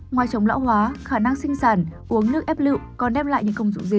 ngoài chống lão hóa khả năng sinh sản uống nước ép lự còn đem lại những công dụng gì